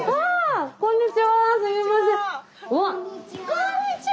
こんにちは。